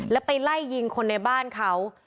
แล้วไปไล่ยิงคนในบ้านเขา